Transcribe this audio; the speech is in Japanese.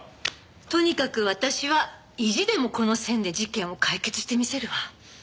とにかく私は意地でもこの線で事件を解決してみせるわ。